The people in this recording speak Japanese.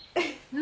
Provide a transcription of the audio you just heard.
何？